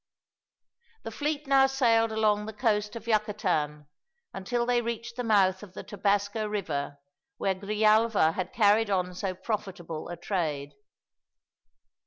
The fleet now sailed along the coast of Yucatan, until they reached the mouth of the Tabasco River, where Grijalva had carried on so profitable a trade.